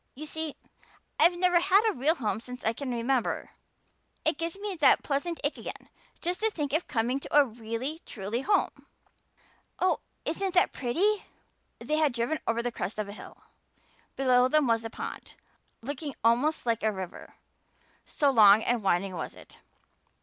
You see, I've never had a real home since I can remember. It gives me that pleasant ache again just to think of coming to a really truly home. Oh, isn't that pretty!" They had driven over the crest of a hill. Below them was a pond, looking almost like a river so long and winding was it.